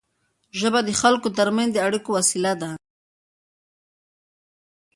ژبه د خلکو ترمنځ د اړیکو وسیله ده.